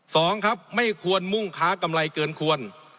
สองครับไม่ควรมุ่งค้ากำไรเกินควร